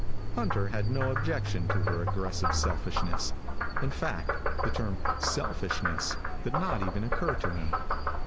Hunter had no objection to her aggressive selfishness. In fact, the term "selfishness" did not even occur to him.